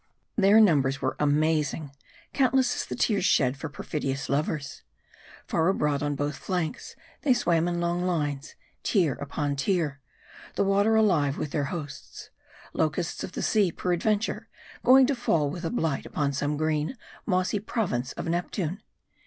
Their numbers were amazing ; countless as the tears shed for perfidious lovers. Far abroad on both flanks, they swam in long lines, tier above tier ; the water alive with their hosts. Locusts of the sea, peradventure, going to fall with a blight upon some green, mossy province of Neptune.